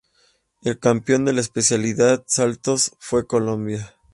El campeón de la especialidad Saltos fue Colombia.